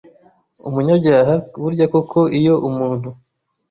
umunyabyaha, burya koko iyo umuntu